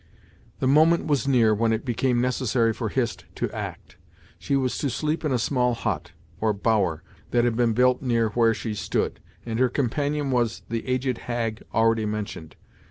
The moment was near when it became necessary for Hist to act. She was to sleep in a small hut, or bower, that had been built near where she stood, and her companion was the aged hag already mentioned.